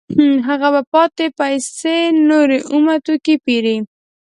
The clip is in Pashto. هغه په پاتې پیسو نور اومه توکي پېري